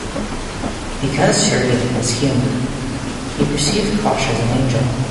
Because Sheridan is human, he perceived Kosh as an angel.